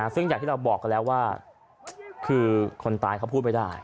ซึ่งอย่างที่เราบอกกันแล้วว่าคือคนตายเขาพูดไม่ได้